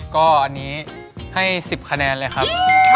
ก็อันนี้ให้๑๐คะแนนเลยครับ